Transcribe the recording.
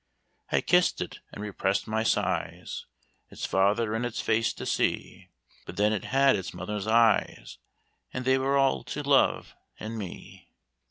"I kiss'd it, and repress'd my sighs Its father in its face to see; But then it had its mother's eyes, And they were all to love and me.